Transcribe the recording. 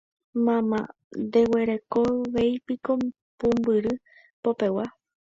Mama, ndeguerekovéipiko pumbyry popegua.